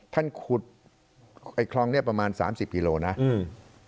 ท่านขุดไอ้คลองเนี้ยประมาณสามสิบกิโลนะอืม